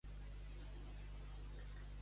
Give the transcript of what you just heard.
No refusis l'ocasió de la confirmació.